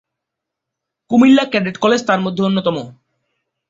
Comilla cadet college তার মধ্যে অন্যতম।